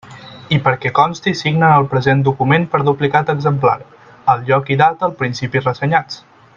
I perquè consti signen el present document per duplicat exemplar, al lloc i data al principi ressenyats.